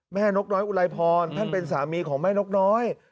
นกน้อยอุไลพรท่านเป็นสามีของแม่นกน้อย